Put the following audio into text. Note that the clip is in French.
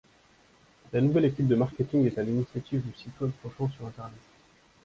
La nouvelle équipe marketing est à l'initiative du Site web Fauchon sur Internet.